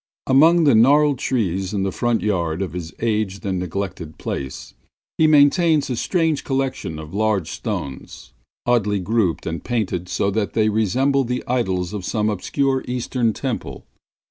Among the gnarled trees in the front yard of his aged and neglected place he maintains a strange collection of large stones, oddly grouped and painted so that they resemble the idols in some obscure Eastern temple.